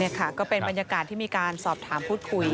นี่ค่ะก็เป็นบรรยากาศที่มีการสอบถามพูดคุย